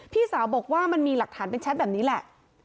พี่สาวบอกว่ามันมีหลักฐานเป็นแชทแบบนี้แหละ